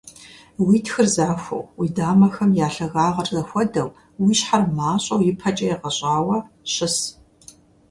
Уи тхыр захуэу, уи дамэхэм я лъагагъыр зэхуэдэу, уи щхьэр мащӀэу ипэкӀэ егъэщӀауэ щыс.